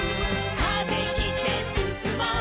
「風切ってすすもう」